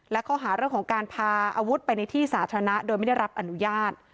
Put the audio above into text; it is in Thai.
และข้อหาเรื่องของการพาอาวุธไปในที่สาธารณะโดยไม่ได้รับอนุญาต